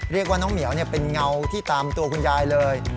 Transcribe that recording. เรียกว่าน้องเหมียวเป็นเงาที่ตามตัวคุณยายเลย